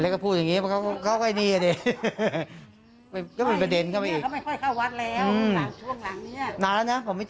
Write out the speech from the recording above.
ค่อยครับ